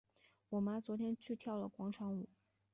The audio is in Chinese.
我妈昨天去了跳广场舞。